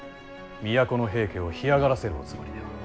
都の平家を干上がらせるおつもりでは。